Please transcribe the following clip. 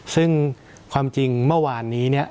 ซึ่งความจริงเมื่อวานนี้